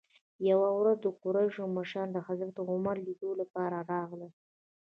یوې ورځ د قریشو مشران د حضرت عمر لیدلو لپاره راغلل.